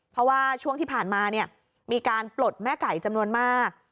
เพราะว่าช่วงที่ผ่านมาเนี่ยมีการปลดแม่ไก่จำนวนมาก